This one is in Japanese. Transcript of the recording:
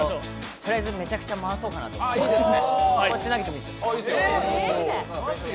とりあえず、めちゃくちゃ回そうかなと思います。